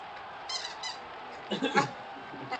Kromě zbraní lze také zakoupit generátory a extra předměty.